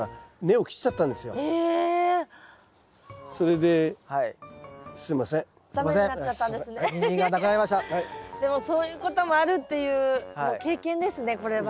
でもそういうこともあるっていうもう経験ですねこれは。